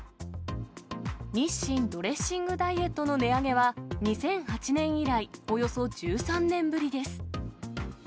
日清ドレッシングダイエットの値上げは、２００８年以来、およそ１３年ぶりです。